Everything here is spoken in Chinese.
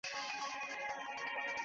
分布于台湾岛等。